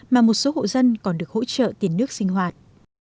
mà một số hộ dân còn được hỗ trợ tiền nước sinh hoạt